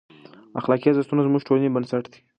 اخلاقي ارزښتونه زموږ د ټولنې بنسټ دی.